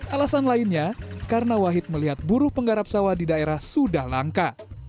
alasan lainnya karena wahid melihat buruh penggarap sawah di daerah sudah langka